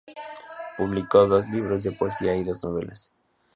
Publicó dos libros de poesía y dos novelas.